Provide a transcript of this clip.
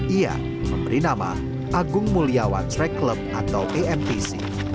ia memberi nama agung mulyawan track club atau amtc